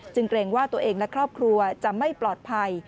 เกรงว่าตัวเองและครอบครัวจะไม่ปลอดภัย